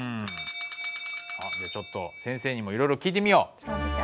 ちょっと先生にもいろいろ聞いてみよう。